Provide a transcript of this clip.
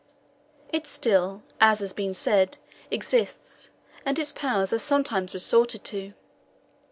It still, as has been said, exists, and its powers are sometimes resorted to.